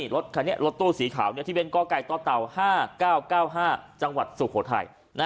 รถตู้สีขาวที่เป็นก้อไก่ต้อเตา๕๙๙๕จังหวัดสุโขทัย